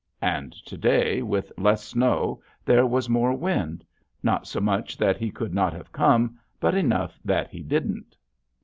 And to day with less snow there was more wind, not so much that he could not have come but enough that he didn't.